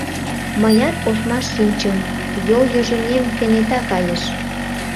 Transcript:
Мыят ошмаш шинчым — йолйыжыҥем кенета кайыш.